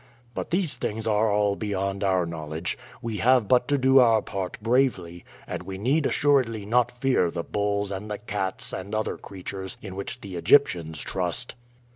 But these things are all beyond our knowledge. We have but to do our part bravely, and we need assuredly not fear the bulls and the cats and other creatures in which the Egyptians trust."